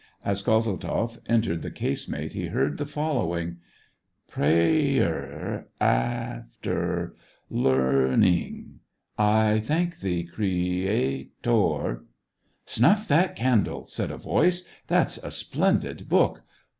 As Kozel tzoff entered the casemate, he heard the following :*' Pray er af ter lear ning. I thank Thee, Crea tor ..." "Snuff that candle !" said a voice. "That's a splendid book."